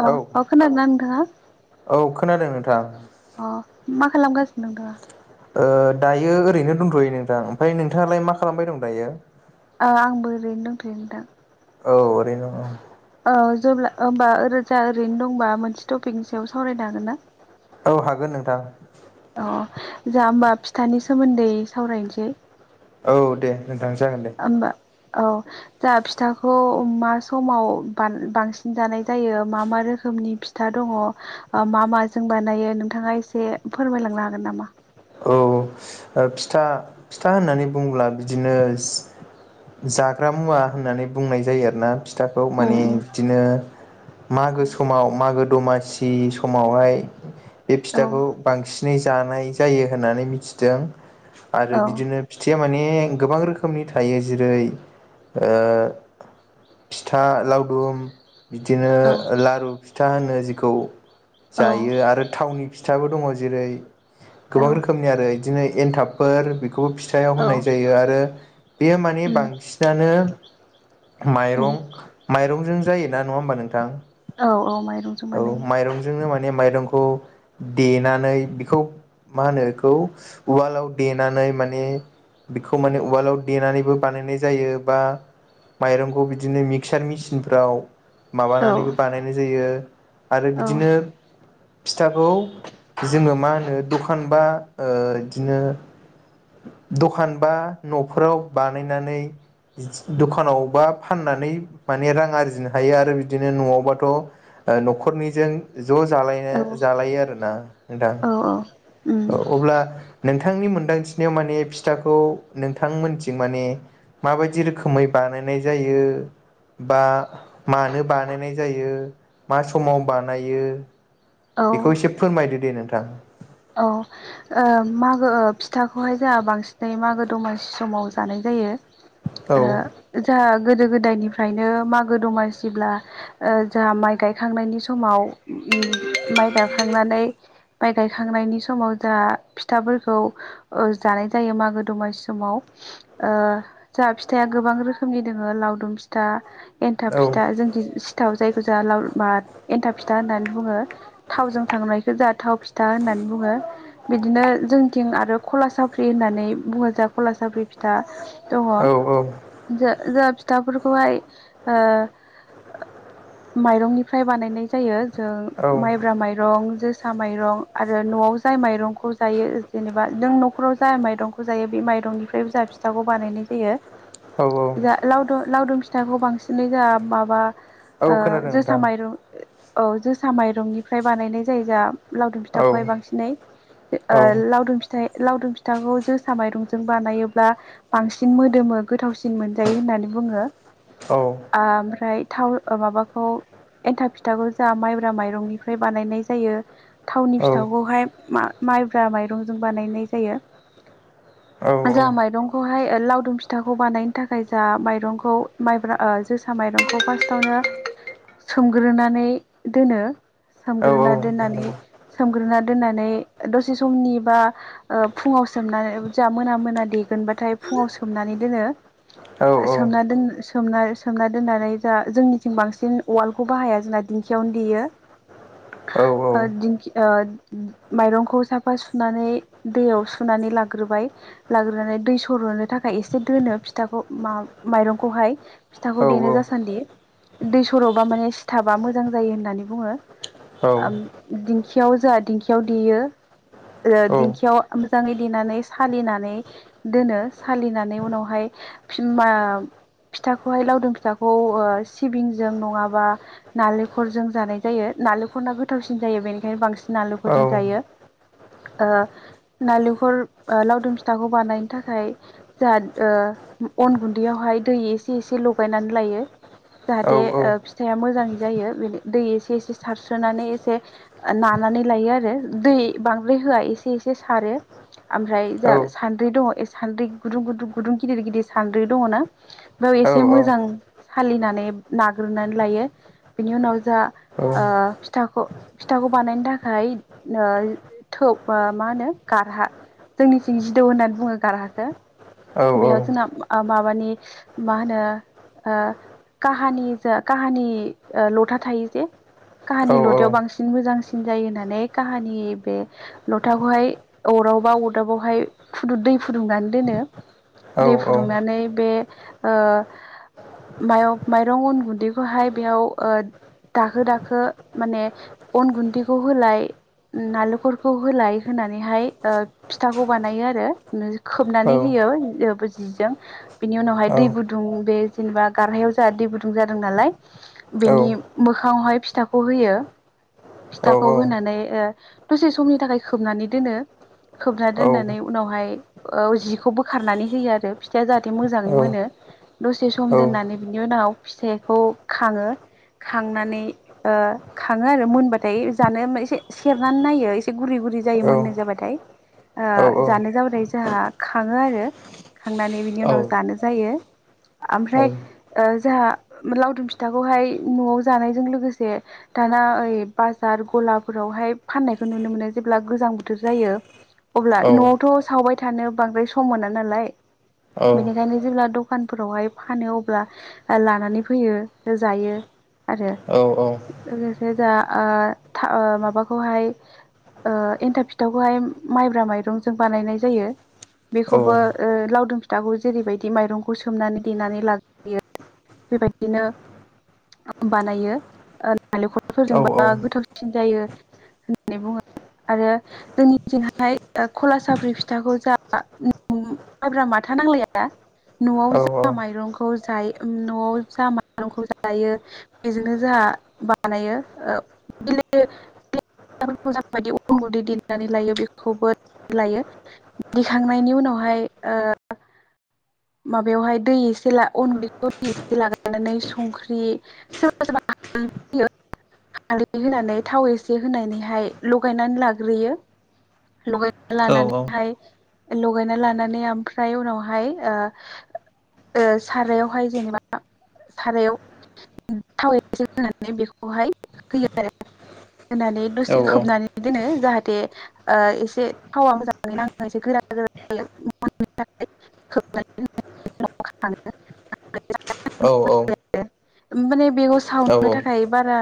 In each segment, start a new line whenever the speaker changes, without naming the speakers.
अ
औ
अ खोनादोंना नोंथाङा
औ खोनादों नोंथां
अ मा खालामगासिनो दं नोंथाङा
फै नोंथां ओमफ्राय नोंथाङालाय मा खालामबाय दं दायो।
ओ आंबो ओरैनो दंथयो नोंथां।
औ ओरैनो औ
औ जेब्ला होमबा ओ रोजा ओरैनो दंबा मोनसे टपिकनि सायाव सावरायनो हागोन ना।
औ हागोन नोंथां
अ जा होमबा फिथानि सोमोन्दै सावरायनोसै
औ दे नोंथां जागोन दे
होमबा औ दा फिथाखौ मा समाव बांसिन जानाय जायो मा मा रोखोम रोखोमनि फिथा दङ मा मा जों बानायो नोंथाङा एसे फोरमायलांनो हागोन नामा
औ फिथा फिथा होननानै बुंब्ला बिदिनो जाग्रा मुवा होननानै बुंनाय जायो आरोना फिथाखौ
उम
माने
उम
बिदिनो मागो
औ
समाव मागो दमासि समावहाय बे
औ
फिथाखौ बांसिन यै जानाय जायो होननानै मिथिदों आरो बिदिनो
औ
फिथाया माने गोबां रोखोमनि थायो जेरै फिथा लावदुम बिदिनो लारु फिथा होनो जेखौ
औ
जायो आरो थावनि फिथाबो दङ जेरै
औ
गोबां रोखोमनि आरो इदिनो एनथाबफोर बेखौबो फिथायाव
औ
होनाय जायो आरो। बेयो माने
उम
बांसिनानो
उम
माइरं माइरंजों जायोना नङा होमबा नोंथां
औ औ माइरंजों
औ
बानायो
माइरंजोंनो माने माइरंखौ देनानै बेखौ मा होनो इखौ उवालाव देनानै माने बेखौ माने उवालाव देनानैबो बानायनाय जायो बा माइरंखौ बिदिनो मिक्सार मिचिनफ्राव
औ
माबानानैबो बानायनाय जायो आरो
औ
बिदिनो फिथाखौ जोङो मा होनो दखान बा ओ इदिनो दखान बा न'फोराव बानायनानै दखानावबा फाननानै माने रां आरजिनो हायो आरो बिदिनो न'आवबाथ' ओ न'खरनिजों ज' जालायनो
औ
जालायो आरोना नोंथां
औ उम
अब्ला नोंथांनि मोनदांथि नियाव माने फिथाखौ नोंथांमोनथिं माने माबायदि रोखोमै बानायनाय जायो बा मानो बानायनाय जायो मा समाव बानायो।
औ
बेखौ एसे फोरमायदो दे नोंथां।
औ ओ मागो फिथाखौहाय जोंहा बांसिनै मागो दमासि समाव जानाय जायो।
औ
जायो ओ जोंहा गोदो गोदायनिफ्रायनो मागो दमासिब्ला ओ जोंहा माइ गायखांनायनि समाव ओम माइ गाखांनानै माइ गाय खांनायनि समाव जोंहा फिथाफोरखौ जानाय जायो मागो दमासि समाव ओ जोंहा फिथाया गोबां रोखोमनि दोङो लावदुम फिथा एन्थाब
औ
फिथा जोंखै सिथाव जाय जोंआ लाव मा एन्था फिथा होननानै बुङो थावजों थांनायखौ जहा थाव फि था होनना बुङो बिदिनो जोंनिथिं आरो खला सफ्रि होननानै बुङो जा खला साफ्रि फिथा दङ
औ
ज जोंहा फिथाफोरखौहाय ओ माइरंनिफ्राय बानायनाय जायो जों
औ
माइब्रा माइरं जोसा माइरं आरो न'आव जाय माइरंखौ जायो जेनेबा नों न'खराव जाय माइरंखौ जायो बे माइरंनिफ्रायबो जाफि फिथाखौ बानायनाय जायो
औ औ
जा लावदु लावदुम फिथाखौ बांसिनै जोंहा माबा
औ खोनादों नोंथां औ
ओ जोसा माइरं औ जोसा माइरंनिफ्राय बानायनाय जायो जोंहा ला फिथाखौहाय बांसिनै ओ लावदुम फिथाइ लावदुम फिथाखौ जोसा माइरंजों बानायोब्ला बांसिन मोदोमो गोथावसिन मोनजायो होननानै बुङो
औ
आमफ्राय थाव माबाखौ एन्था फिथाखौ जहा माइब्रा माइरंनिफ्राय बानायनाय जायो थाव फिथाखौहाय मा-माइब्रा माइरंजों बानायनाय जायो। जोहा माइरंखौहाय ए लावदुम फिथाखौ बानायनो थाखाय जहा माइरंखौ माइब्रा ओ जोसा माइरंखौ फार्स्टआवनो सोमग्रोनानै दोनो सोमग्रोना दोननानै सोमग्रोना दोननानै दसे समनि बा ओ फुङाव सोमनानै जोहा मोना मोना दे दोनबाथाय फुङाव सोमनानै दोनो
औ
सोमना दोन सो सोमना सोमना दोननानै जोहा जोंनिथिं बांसिन उवालखौ बाहाया जोंना दिंखियावनो देयो। ओ दिंखि ओ माइरंखौ साफा सुनानै दैयाव सुनानै लाग्रोबाय लाग्रोनानै दै सरहोननो थाखाय एसे दोनो फिथाखौ मा-माइरंखौहाय फिथाखौ देनो जासान्दि। दै सर'बा माने सिथाबा मोजां जायो होननानै बुङो। अम दिं खियाव जोंहा दिंखियाव देयो। ओ दिंखियाव मोजाङै देनानै सालिनानै दोनो सालिनानै उनावहाय फिन बा फिथाखौहाय लावदुम फिथाखौ ओ सिबिंजों नङाबा नालेंखरजों जानाय जायो। नालेखरना गोथावसिन जायो बेनिखायनो बांसिन नालेंखरजों जायो। ओ नालेंखर ओ लावदुम फिथाखौ बानायनो थाखाय जाहा ओ अन गुन्दैयावहाय दै एसे एसे लगायनानै लायो । जाहाथे ओ फिथाइआ मोजाङै जायो बे दै एसे एसे सारस्रोनानै एसे नानानै लायो आरो दै बांद्राय होआ एसे एसे सारो । ओमफ्राय जोंहा सान्द्रि दङ सान्द्रि गुदुं गुदुं गुदुं गिदिर गिदिर सान्द्रि दङना? एसे मोजां सालिनानै नाग्रोनानै लायो । बिनि उनाव जा ओ फिथाखौ फिथाखौ बानायनो थाखाय ओ थोब ओ मा होनो गारहा जोंनिथिं जिदौ होननानै बुङो गारहाखौ। बेयाव जोंना ओ माबानि मा होनो ओ काहानि जा काहानि ओ लथा थायो जे काहानि लथायाव बांसिन मोजांसिन जायो होननानै काहानि बे लथाखौहाय अरावबा अरदाबावहाय फुदुं दै फुदुंनानै दोनो दै फुदुंनानै बे ओ मायं माइरं अन गुन्दैखौहाय बेयाव दाखो दाखो माने अन गुन्दैखौ होलाय नारेंखलखौ होलाय होनानैहाय फिथाखौ बानायो आरो। खोबनानै होयो । जिजों बिनि उनावहाय दै गुदुं बे जेनेबा गारहायाव जा दै गुदुं जादों नालाय बेनि मोखाङावहाय फिथाखौ होयो । फिथाखौ होनानै ओ दसे समनि थाखाय खोबनानै दोनो । खोबना दोननानै उनावहाय ओ जिखौ बोखारनानै होयो आरो फिथाइया जाहाथे मोजाङै मोनो । दसे सम दोननानै बिनि उनाव फिथाइखौ खाङो। खांनानै ओ खाङो आरो मोनबा थाय जानो ओमफ्राय जानो एसे सेरनानै नायो एसे गुरै गुरै जायो मोननाय जाबाथाय। ओ जानाय जाबाथाय जोंहा खाङो आरो। खांनानै बिनि उनाव जानो जायो ओमफ्राय ओ जाहा लावदुम फिथाखौहाय न'आव जानायजों लोगोसे दाना ओइ बाजार ग'लाफोरावहाय फाननायखौ नुनो मोनो जेब्ला गोजां बोथोर जायो । अब्ला न'आवथ' सावबाय थानो बांद्राय सम मोना नालाय। बेनिखायनो जेब्ला द'खानफोरावहाय फानो अब्ला लानानै फैयो जायो । आरो लोगोसे जा ओ माबाखौहाय ओ एन्थाब फिथावखौहाय माइब्रा माइरंजों बानायनाय जायो । बेखौबो ओ लावदुम फिथाखौ जेरैबायदि माइरंखौ सोमनानै देनानै लाग्रोयो बेबायदिनो बानायो ओ नारेंखलफोरजोंबो। गोथावसिन जायो होननानै बुङो । आरो जोंनिथिंहाय खला साफ्रि फिथाखौ जा माइब्रा माथा नांलाया न'आव जा माइरंखौ जा न'आव जा माइरंखौ जायो बेजोंनो जा हा बानायो [unintelligible] [unintelligible] अन गुन्दै देन्नानै लायो बेखौबो लायो दिखांनायनि उनावहाय माबायावहाय दै एसे अनगुन्दैखौ दै एसे लागायनानै संख्रि सोरबा सोरबा [unintelligible] हालदै होनानै थाव एसे होनानैहाय लगायनानै लाग्रोयो लगाय लानानैहाय लगायना लानानै ओमफ्राय उनावहाय ओ सारायावहाय जेनेबा सारायाव थाव एसे होनानै बेखौहाय होयो आरो। होननानै
औ
दसे
औ
खोबनानै दोनो जाहाथे एसे थावा मोजाङै नाङो एसे गोरा [unintelligible]
औ औ
माने बेखौ
औ
सावनो थाखाय बारा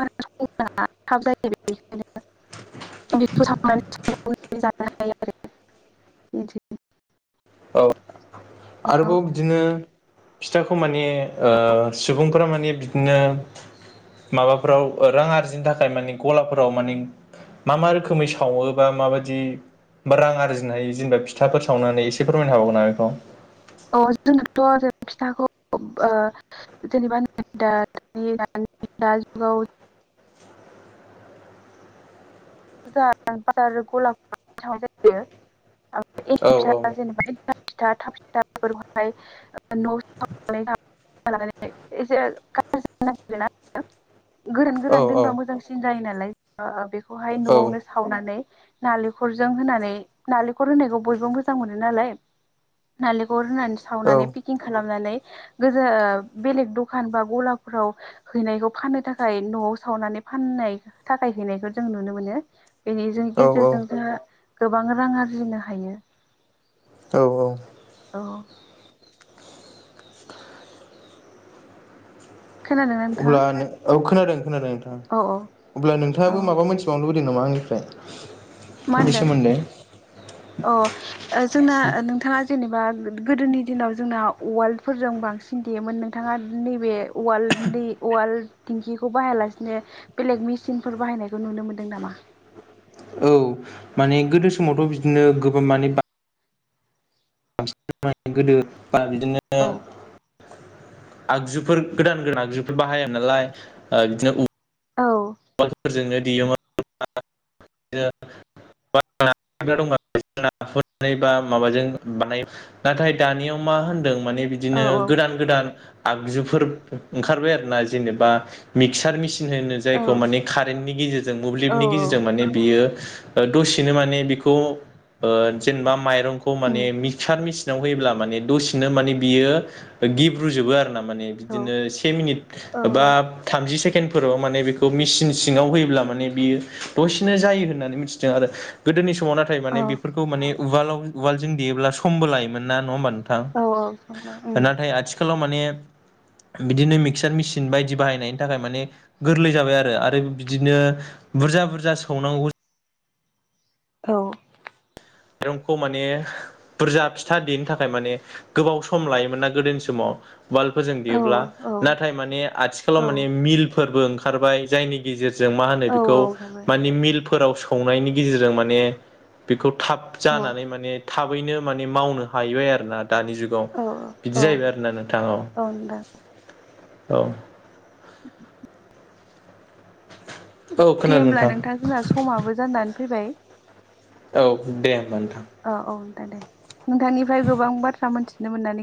[unintelligible] थाब जायो बेखायनो बेखौ सावनानै जानो हायो आरो बिदिनो
औ आरोबाव बिदिनो फिथाखौ माने ओ सुबुंफोरा माने बिदिनो माबाफोराव रां आरजिनो थाखाय माने गलाफोराव माने मा मा रोखोमै सावो बा माबादि रां आरजिनो हायो जेनेबा फिथाफोर सावनानै एसे फोरमायनो हाबावगौ ना बेखौ
अ जोंनाथ' जे फिथाखौ ओ जेनेबा [unintelligible] [unintelligible] [unintelligible] [unintelligible] [unintelligible]
औ औ
गोरान
औ
गोरान
औ
दोनबा मोजांसिन जायो नालाय बेखौ बेहाय
औ
न'आवनो सावनानै नालेंखरजों होनानै नालेंखल होनायखौ बयबो मोजां मोनो नालाय नालेंखर रुनानै सावनानै पेकिं खालामनानै गोजो बेलेग दखान बा गला फोराव हैनायखौ फाननो थाखाय न'आव सावनानै फाननाय थाखाय हैनायखौ जों नुनो मोनो बेनि
औ
गेजेरजों जोंहा गोबां रां आरजिनो हायो [inaudible]
औ औ
औ खोनादोंना
औ
नोंथाङा
खोनादों खोनादों नोंथां
औ
अब्ला
औ
नोंथाङाबो माबा मोनथिबावनो लुबै बावदों नामा आंनिफ्राय
मा
बेनि
होनदों
सोमोन्दै
अ जोंना नोंथाङा जेनेबा गोदोनि दिनाव जोंना उवाल फोरजों बांसिन देयोमोन नोंथाङा नैबे उवाल उवाल दिंखिखौ बाहायालासेनो बेलेग मेसिनफोर बाहायनायखौ नुनो मोन्दों नामा
औ माने गोदो समावथ' बिदिनो गोबां माने बांसिन गोदो बा बिदिनो
औ
आगजुफोर गोदान गोदान आगजुफोर बाहाया नालाय बिदिनो
औ
उवालफोरजोंनो देयोमोन [unintelligible] बा माबाजों बानाय नाथाय दानियाव मा मा होनदों माने
औ
बिदिनो गोदान गोदान आगजुफोर ओंखारबाय आरोना जेनेबा मिक्सार मिसिन होनो
औ
बे खौ माने कारेन्टनि गेजेरजों
औ
मोब्लिबनि गेजेरजों
औ
माने बियो दसेनो माने बेखौ ओ जेनेबा माइरंखौ माने
उम
मिक्सार मि सिनाव होयोब्ला माने दसेनो माने बियो गिब्रु जोबो आरो ना माने
औ
बिदिनो से मिनिट
औ
बा थामजि सेकेण्डफोराव माने बि मिसिन सिङाव होयोब्ला माने बियो दसेनो जायो होननानै मिथिदों आरो गोदोनि समाव नाथाय
औ
माने बेफोरखौ माने उलाव उलजों देयोब्ला समबो लायोमोन नङा होमबा नों
औ औ संबाय
थां
उम
नाथाय आथिखालाव बिदिनो मिक्चार मेसिन बायदि बाहायनायनि थाखाय माने गोरलै जाबाय आरो बिदिनो बुरजा बुरजा सौनांगौ
औ
माइरंखौ माने बुरजा फिथा देनो थाखाय माने गोबाव सम लायोमोन ना गोदोनि समाव। उवालफोरजों
औ
देयोब्ला
औ
नाथाय माने आथिखालाव
औ
माने मिलफोरबो ओंखारबाय जायनि गेजेरजों जों माहोनो
औ
बिखौ
ओंखारबाय
मानि मिलफोराव सौनानि गेजेरजों मानि बिखौ थाब
औ
जानानै माने थाबैनो माने मावनो हायैबाय आरोना। दानि जुगाव
औ
बिदि
औ
जाहैबाय आरोना नोंथां
औ नोंथां
औ।
[unintelligible]
औ
दे
खोनादों
होमब्ला नोंथां जोंना समाबो जानानै फैबाय।
औ दे होमबा नों
औ औ नोंथां दे। नोंथांनिफ्राय गोबां बाथ्रा मोनथिनो मोननानै